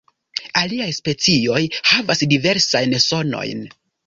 Aliaj specioj havas diversajn sonojn.